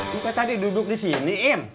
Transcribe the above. kita tadi duduk disini im